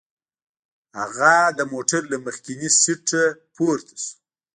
هغه د موټر له مخکیني سیټ نه پورته شو.